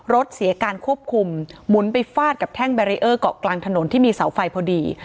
รถเสียการควบคุมหมุนไปฟาดกับแท่งแบรีเออร์เกาะกลางถนนที่มีเสาไฟพอดี